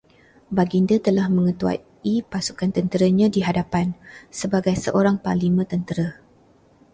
Baginda telah mengetuai pasukan tenteranya di hadapan, sebagai seorang panglima tentera